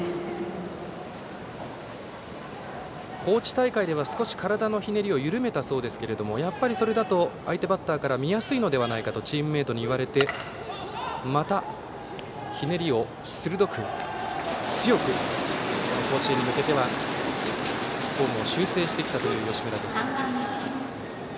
高知大会では、少し体のひねりを緩めたそうですけれどもそれだと相手バッターから見やすいのではないかとチームメートに言われてまたひねりを鋭く、強く甲子園に向けてフォームを修正してきた吉村。